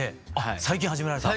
最近はじめられた？